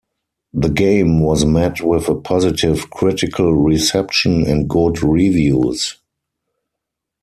The game was met with a positive critical reception and good reviews.